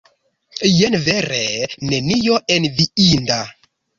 Jen vere nenio enviinda!